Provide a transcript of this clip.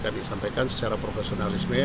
disampaikan secara profesionalisme